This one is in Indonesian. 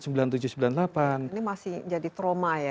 ini masih jadi trauma ya